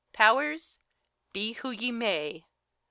Powers, be who ye may